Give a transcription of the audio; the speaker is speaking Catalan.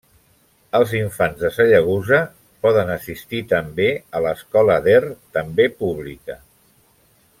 Els infants de Sallagosa poden assistir també a l'escola d'Er, també pública.